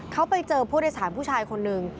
เขาไปเจอผู้โดยสารผู้ชายคนหนึ่ง